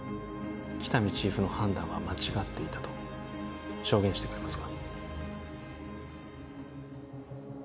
喜多見チーフの判断は間違っていたと証言してくれますか？